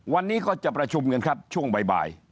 วันนี้ก็จะประชุมกันครับช่วงบ่าย